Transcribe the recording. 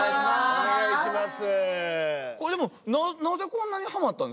お願いします。